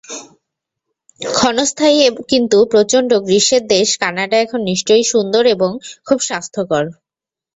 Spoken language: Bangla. ক্ষণস্থায়ী কিন্তু প্রচণ্ড গ্রীষ্মের দেশ কানাডা এখন নিশ্চয়ই সুন্দর এবং খুব স্বাস্থ্যকর।